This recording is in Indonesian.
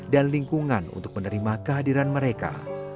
dan lingkungan untuk menerima kehadiran mereka